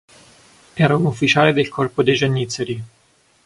Era un ufficiale del corpo dei giannizzeri.